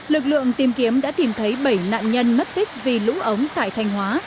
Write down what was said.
lực lượng tìm kiếm đã tìm thấy bảy nạn nhân mất tích vì lũ ống tại thanh hóa